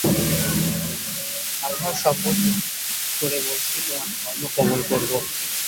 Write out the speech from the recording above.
আল্লাহর শপথ করে বলছি, তোমার ধর্ম কবুল করব।